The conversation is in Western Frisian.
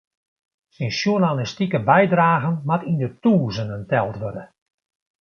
Syn sjoernalistike bydragen moat yn de tûzenen teld wurde.